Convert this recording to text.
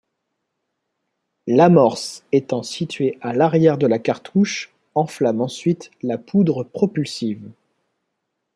L'amorce étant située à l'arrière de la cartouche enflamme ensuite la poudre propulsive.